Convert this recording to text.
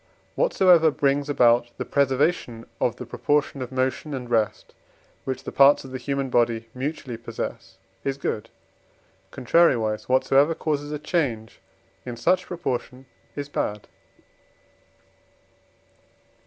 Whatsoever brings about the preservation of the proportion of motion and rest, which the parts of the human body mutually possess, is good; contrariwise, whatsoever causes a change in such proportion is bad.